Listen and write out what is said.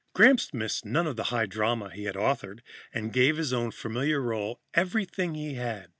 Gramps missed none of the high drama he had authored and he gave his own familiar role everything he had.